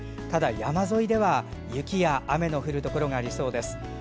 ただ、山沿いでは雪や雨の降るところがありそうです。